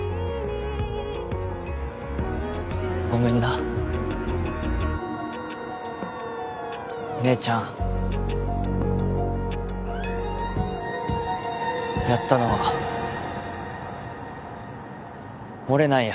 ごめんな姉ちゃんやったのは俺なんや